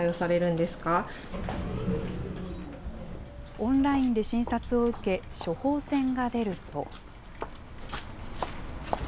オンラインで診察を受け、処方箋が出ると。